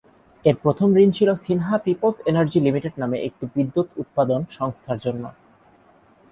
এর প্রথম ঋণ ছিল সিনহা পিপলস এনার্জি লিমিটেড নামে একটি বিদ্যুৎ উৎপাদন সংস্থার জন্য।